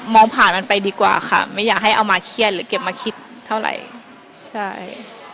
ผ่านมันไปดีกว่าค่ะไม่อยากให้เอามาเครียดหรือเก็บมาคิดเท่าไหร่ใช่